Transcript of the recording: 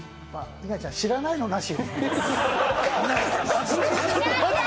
稲ちゃん、知らないのなし。